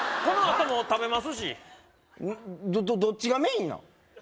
このあとも食べますしどどどっちがメインなん？